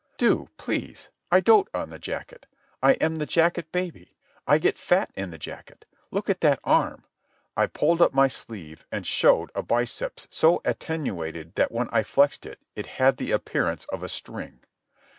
"Do, please. I dote on the jacket. I am the jacket baby. I get fat in the jacket. Look at that arm." I pulled up my sleeve and showed a biceps so attenuated that when I flexed it it had the appearance of a string.